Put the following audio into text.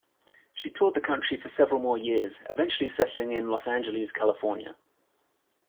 She toured the country for several more years, eventually settling in Los Angeles, California.